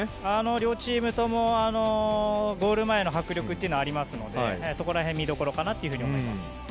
両チームともゴール前の迫力があるのでそこが見どころかなと思います。